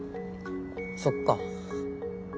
そっか。